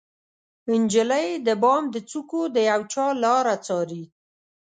نجلۍ د بام د څوکو د یوچا لاره څارې